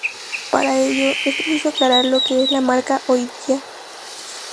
Para ello, es preciso aclarar lo que es la marca hoy día.